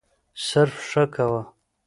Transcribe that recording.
صرف «ښه» کوه.